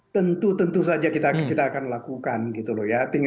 tentu tentu saja kita akan lakukan gitu loh ya